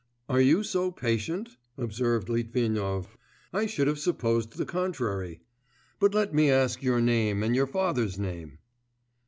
'Are you so patient?' observed Litvinov. 'I should have supposed the contrary. But let me ask your name and your father's name?